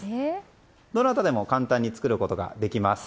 どなたでも簡単に作ることができます。